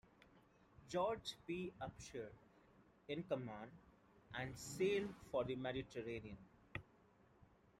George P. Upshur in command, and sailed for the Mediterranean.